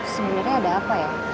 sebenernya ada apa ya